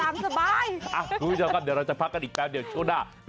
ไม่ว่างการตามสบาย